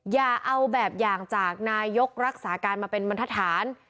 อย่าเอาแบบอย่างจากนายกรักษาการมาเป็นบรรทฐาน